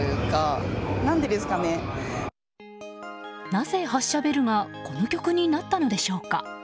なぜ発車ベルがこの曲になったのでしょうか？